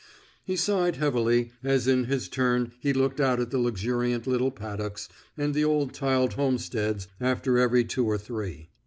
He sighed heavily as in his turn he looked out at the luxuriant little paddocks and the old tiled homesteads after every two or three.